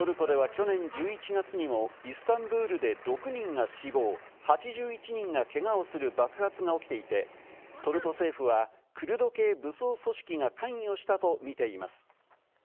トルコでは去年１１月にもイスタンブールで６人が死亡、８１人がけがをする爆発が起きていて、トルコ政府はクルド系武装組織が関与したとみています。